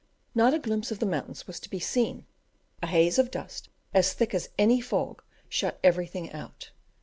Not a glimpse of the mountains was to be seen; a haze of dust, as thick as any fog, shut everything out.